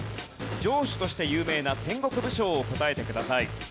城主として有名な戦国武将を答えてください。